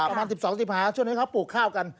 ประมาณสิบสองสิบหาช่วงนี้ครับปลูกข้าวกัน